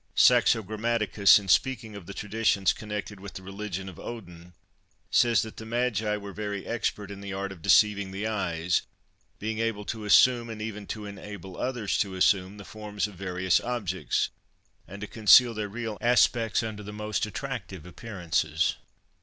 Saxo Grammaticus, in speaking of the traditions connected with the religion of Odin, says that "the magi were very expert in the art of deceiving the eyes, being able to assume, and even to enable others to assume, the forms of various objects, and to conceal their real aspects under the most attractive appearances."